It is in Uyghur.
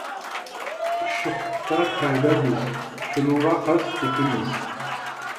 ئۇششۇقلۇقتا تەلۋە بىز، شۇنىڭغا خاس ئېپىمىز.